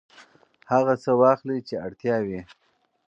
هغه څه واخلئ چې اړتیا وي.